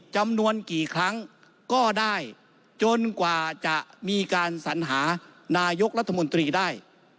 จำนวนกี่ครั้งก็ได้จนกว่าจะมีการสัญหานายกรัฐมนตรีได้